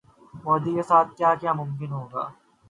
مودی کے ساتھ کیا یہ ممکن ہوگا؟